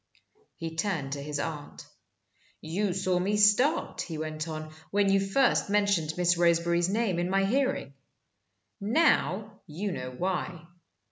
He turned to his aunt. "You saw me start," he went on, "when you first mentioned Miss Roseberry's name in my hearing. Now you know why."